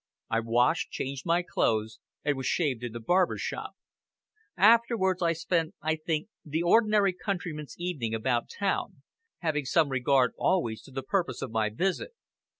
I washed, changed my clothes, and was shaved in the barber's shop. Afterwards, I spent, I think, the ordinary countryman's evening about town having some regard always to the purpose of my visit.